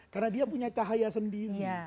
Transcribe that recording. karena dia punya cahaya sendiri